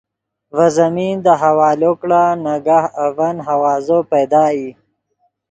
ڤے زمین دے حوالو کڑا ناگاہ اڤن ہوازو پیدا ای